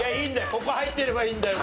ここは入ってればいいんだよ